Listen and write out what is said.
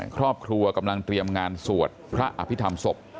ครอบครัวกำลังเตรียมงานสวดพระอภิษฐรรมศพ